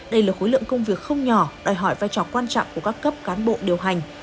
đây là khối lượng công việc không nhỏ đòi hỏi vai trò quan trọng của các cấp cán bộ điều hành